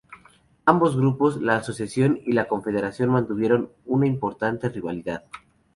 Ambos grupos, la Asociación y la Confederación mantuvieron una importante rivalidad